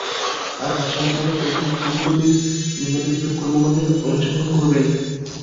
তার ভাষ্য মোতাবেক একজন প্রকৃত বীর নিম্নলিখিত কর্মকাণ্ডে অংশগ্রহণ করবেন:-